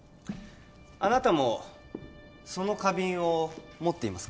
あなたもその花瓶を持っていますか？